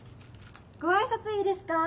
・ご挨拶いいですか？